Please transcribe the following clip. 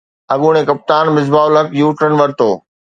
اڳوڻي ڪپتان مصباح الحق يوٽرن ورتو